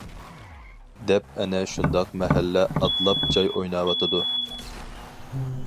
دەپ ئەنە شۇنداق مەھەللە ئاتلاپ چاي ئويناۋاتىدۇ.